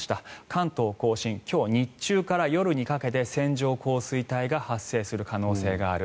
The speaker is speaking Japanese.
関東・甲信今日日中から夜にかけて線状降水帯が発生する可能性がある。